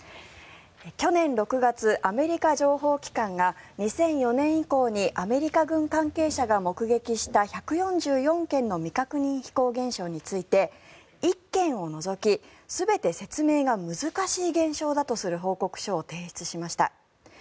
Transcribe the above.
去年６月、アメリカ情報機関が２００４年以降にアメリカ軍関係者が目撃した１４４件の未確認飛行現象について１件を除き全て説明が難しい現象だとする報告書を提出しました。